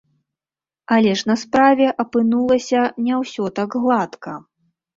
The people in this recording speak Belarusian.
Але ж на справе апынулася не ўсё так гладка.